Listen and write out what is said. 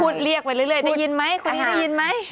เรียกไปเรื่อยได้ยินไหมคนนี้ได้ยินไหม